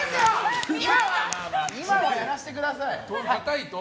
今はやらせてください。